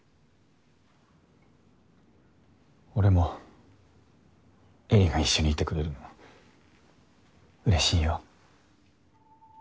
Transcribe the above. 俺も絵里が一緒にいてくれるの嬉しいよ。